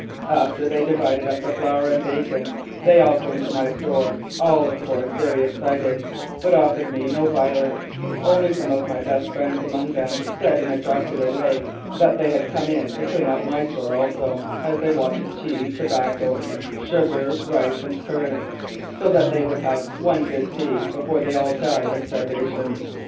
After they divided up the flour and bacon, they all came to my store, all, of course, very excited, but offered me no violence, only some of my best friends among them said in a jocular way that they had come in to clean out my store also, as they wanted tea, tobacco, sugar, rice and currants, so that they would have one good feed before they all died of starvation.